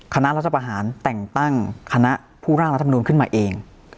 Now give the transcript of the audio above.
คณะรัฐประหารแต่งตั้งคณะผู้ร่างรัฐมนูลขึ้นมาเอง